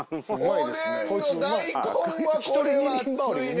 おでんの大根はこれは熱いね。